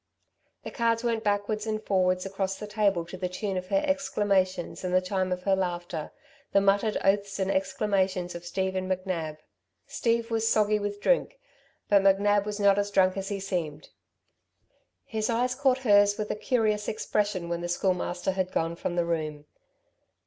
The cards went backwards and forwards across the table to the tune of her exclamations and the chime of her laughter, the muttered oaths and exclamations of Steve and McNab. Steve was soggy with drink; but McNab was not as drunk as he seemed. His eyes caught hers with a curious expression when the Schoolmaster had gone from the room.